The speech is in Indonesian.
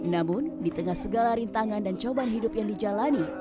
namun di tengah segala rintangan dan cobaan hidup yang dijalani